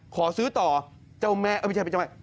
ขอซื้อต่อเจ้าแม่ไม่ใช่เป็นเจ้าแม่